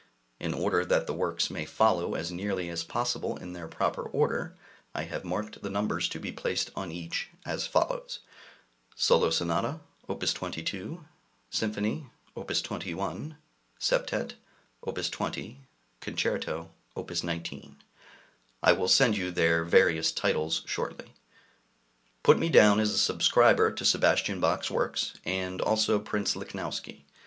In order that the works may follow as nearly as possible in their proper order, I have marked the numbers to be placed on each, as follows: Solo Sonata, Op. 22. Symphony, Op. 21. Septet, Op. 20. Concerto, Op. 19. I will send you their various titles shortly. Put me down as a subscriber to Sebastian Bach's works [see Letter 20], and also Prince Lichnowsky.